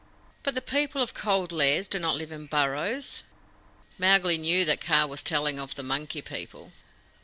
"But the people of Cold Lairs do not live in burrows." Mowgli knew that Kaa was telling of the Monkey People.